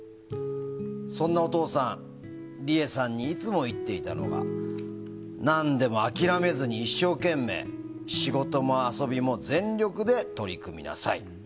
そんなお父さんリエさんにいつも言っていたのが何でも諦めずに一生懸命、仕事も遊びも全力で取り組みなさい。